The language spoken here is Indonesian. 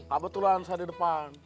kebetulan saya di depan